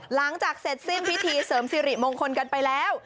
หลังจากเสร็จสิ้นพิธีเสริมสิริมงคลกันไปแล้ว